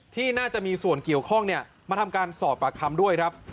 ที่น่าจะมีส่วนเกี่ยวข้องมาทำการสอบปากคำด้วยครับ